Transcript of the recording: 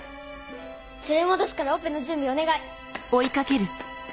連れ戻すからオペの準備お願い。